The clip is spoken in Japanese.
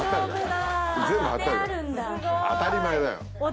当たり前だよ。